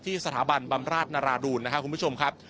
สถาบันบำราชนราดูนนะครับคุณผู้ชมครับ